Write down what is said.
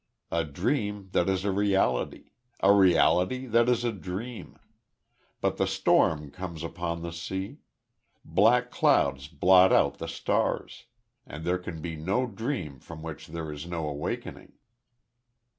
A dream that is a reality; a reality that is a dream.... But the storm comes upon the sea. Black clouds blot out the stars. And there can be no dream from which there is no awakening."